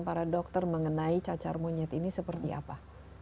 para dokter mengenai cacar monyet ini seperti apa